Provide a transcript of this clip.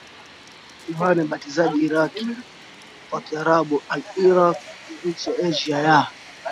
Yohane Mbatizaji Iraq kwa Kiarabu alʿIrāq ni nchi ya Asia ya